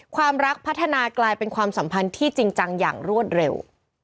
ความรักพัฒนากลายเป็นความสัมพันธ์ที่จริงจังอย่างรวดเร็ว